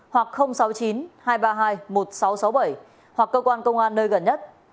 hoặc sáu mươi chín hai trăm ba mươi hai một nghìn sáu trăm sáu mươi bảy hoặc cơ quan công an nơi gần nhất